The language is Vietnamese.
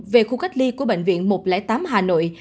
về khu cách ly của bệnh viện một trăm linh tám hà nội